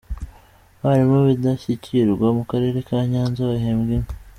Abarimu b’indashyikirwa mu Karere ka Nyanza bahembwe inka.